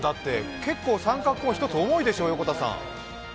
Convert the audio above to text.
結構三角コーン１つ重いでしょう、横田さん。